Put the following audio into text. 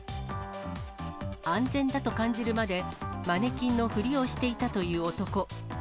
安全だと感じるまで、マネキンのふりをしていたという男。